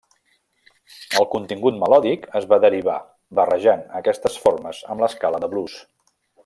El contingut melòdic es va derivar barrejant aquestes formes amb l'escala de blues.